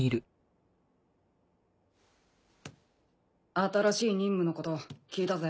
新しい任務のこと聞いたぜ。